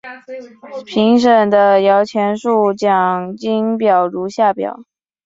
评审的摇钱树奖金表如下表。